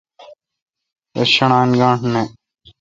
رس شݨان گانٹھ نہ۔